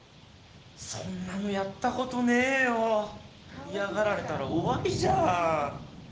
そんなのやったことねえよ、嫌がられたら終わりじゃん。